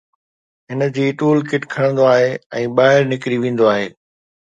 هن جي tool kit کڻندو آهي ۽ ٻاهر نڪري ويندو آهي